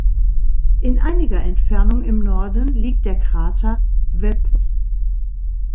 In einiger Entfernung im Norden liegt der Krater Webb.